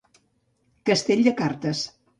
Castell de cartes.